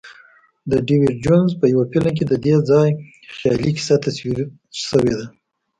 د ډیویډ جونز په یوه فلم کې ددې ځای خیالي کیسه تصویر شوې ده.